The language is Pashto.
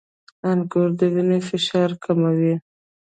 • انګور د وینې فشار کموي.